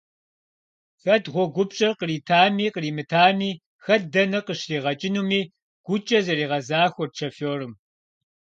Хэт гъуэгупщӏэр къритами къримытами, хэт дэнэ къыщригъэкӏынуми гукӏэ зэригъэзахуэрт шофёрым.